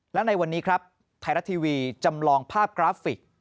และในวันนี้ครับไทยรัฐทีวีจำลองภาพกราฟิก